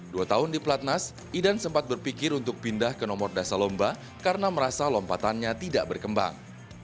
dua tahun di pelatnas idan sempat berpikir untuk pindah ke nomor dasar lomba karena merasa lompatannya tidak berkembang